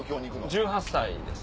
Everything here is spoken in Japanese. １８歳です。